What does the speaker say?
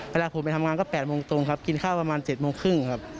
เวลาผมไปทำงานก็๘โมงตรงครับกินข้าวประมาณ๗โมงครึ่งครับ